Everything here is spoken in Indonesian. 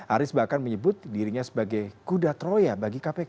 aris bahkan menyebut dirinya sebagai kuda troya bagi kpk